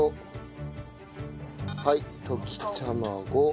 はい溶き卵。